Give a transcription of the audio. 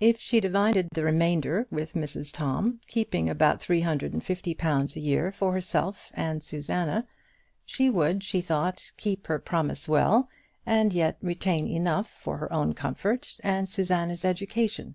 If she divided the remainder with Mrs Tom, keeping about three hundred and fifty pounds a year for herself and Susanna, she would, she thought, keep her promise well, and yet retain enough for her own comfort and Susanna's education.